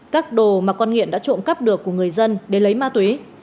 các đồ mà con nghiện đã trộm cắp được của người dân để lấy ma túy